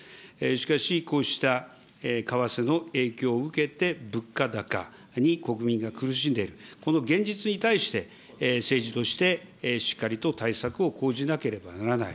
しかし、こうした為替の影響を受けて、物価高に国民が苦しんでいる、この現実に対して、政治としてしっかりと対策を講じなければならない。